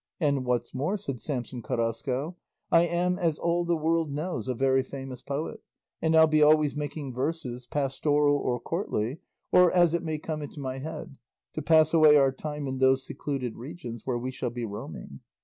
"And what's more," said Samson Carrasco, "I am, as all the world knows, a very famous poet, and I'll be always making verses, pastoral, or courtly, or as it may come into my head, to pass away our time in those secluded regions where we shall be roaming.